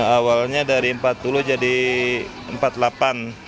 awalnya dari empat puluh jadi empat puluh delapan